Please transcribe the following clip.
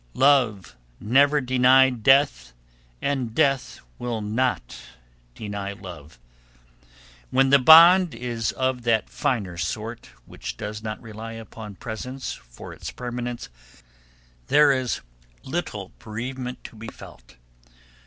"Love never denied Death and Death will not deny Love." When the bond is of that finer sort which does not rely upon presence for its permanence, there is little bereavement to be felt.